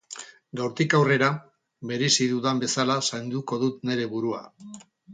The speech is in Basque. Gaurtik aurrera, merezi dudan bezala zainduko dut neure burua.